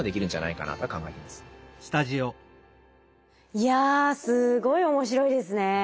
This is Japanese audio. いやすごい面白いですね。